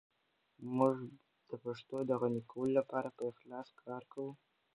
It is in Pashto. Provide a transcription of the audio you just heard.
موږ د پښتو د غني کولو لپاره په اخلاص کار کوو.